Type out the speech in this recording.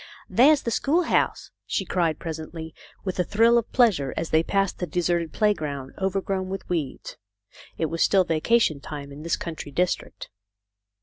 "There's the schoolhouse," she cried, presently, with a thrill of pleasure as they passed the deserted playground, overgrown with weeds. It was still vacation time in this country district.